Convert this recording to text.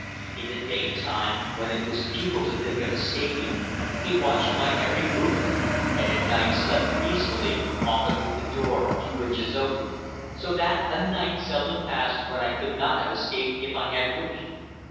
In the day time, when it was futile to think of escaping, he watched my every movement, and at night slept peacefully, often with the door a few inches open, so that a night seldom passed when I could not have escaped if I had wished.